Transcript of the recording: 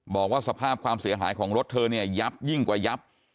บอกว่าสภาพความเสียหายของรถเธอเนี่ยยับยิ่งกว่ายับ